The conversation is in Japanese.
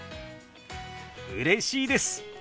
うれしいです！